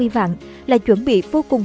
năm mươi vạn là chuẩn bị vô cùng